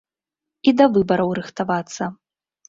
І да выбараў рыхтавацца.